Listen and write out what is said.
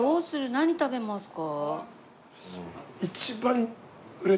何食べますか？